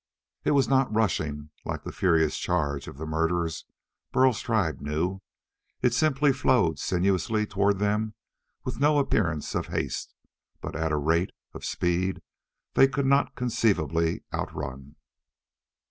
It was not rushing, like the furious charge of the murderers Burl's tribe knew. It simply flowed sinuously toward them with no appearance of haste, but at a rate of speed they could not conceivably outrun.